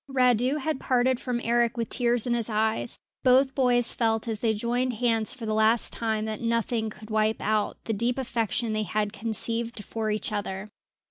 Radu had parted from Eric with tears in his eyes; both boys felt as they joined hands for the last time that nothing could wipe out the deep affection they had conceived for each other.